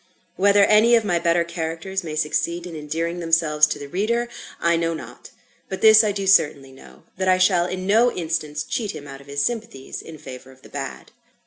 Whether any of my better characters may succeed in endearing themselves to the reader, I know not: but this I do certainly know: that I shall in no instance cheat him out of his sympathies in favour of the bad.